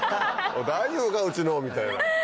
「大丈夫か？うちの」みたいな。